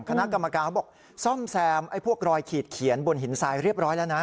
คณะกรรมการเขาบอกซ่อมแซมไอ้พวกรอยขีดเขียนบนหินทรายเรียบร้อยแล้วนะ